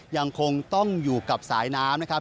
ยังคงต้องอยู่กับสายน้ำนะครับ